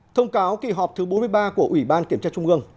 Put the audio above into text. thông cáo kỳ họp thứ bốn mươi ba của ủy ban kiểm tra trung ương